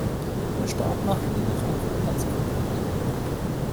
Er starb nach längerer Herzkrankheit.